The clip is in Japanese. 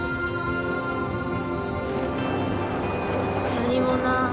何もない。